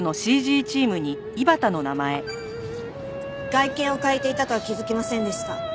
外見を変えていたとは気づきませんでした。